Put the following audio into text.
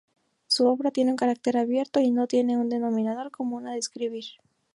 Su obra tiene un carácter abierto y no tiene un denominador común a describir.